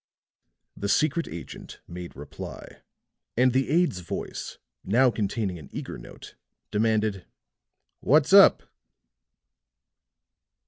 The secret agent made reply; and the aide's voice, now containing an eager note, demanded: "What's up?"